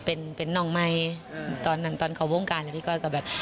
เป็นเป็นนำไม็อ่าตอนตอนเขาวงการหรือพี่ก๊อตก็แบบ